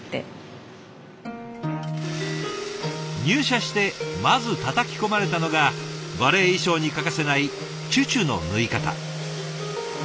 入社してまずたたき込まれたのがバレエ衣裳に欠かせないチュチュの縫い方。